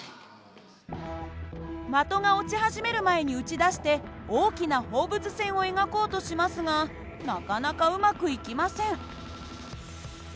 的が落ち始める前に撃ち出して大きな放物線を描こうとしますがなかなかうまくいきません。